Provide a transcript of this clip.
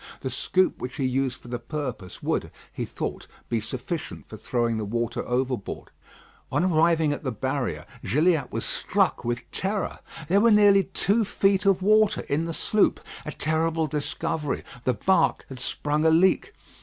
The scoop which he used for the purpose would, he thought, be sufficient for throwing the water overboard. On arriving at the barrier, Gilliatt was struck with terror. There were nearly two feet of water in the sloop. A terrible discovery; the bark had sprung a leak.